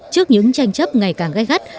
trước những tranh chấp ngày càng gai gắt